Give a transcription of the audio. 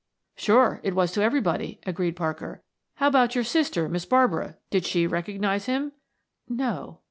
"Sure. It was to everybody," agreed Parker. "How about your sister, Miss Barbara; did she recognize him?" "No."